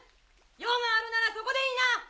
用があるならそこで言いな！